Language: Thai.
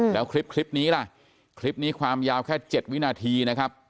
แล้วคลิปนี้ล่ะคลิปนี้ความยาวแค่๗วินาทีนะครับ